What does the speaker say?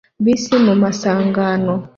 Bisi mu masangano